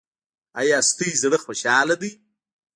ایا ستاسو زړه خوشحاله دی؟